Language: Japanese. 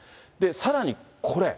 さらにこれ。